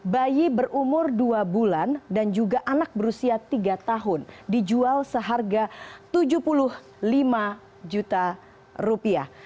bayi berumur dua bulan dan juga anak berusia tiga tahun dijual seharga tujuh puluh lima juta rupiah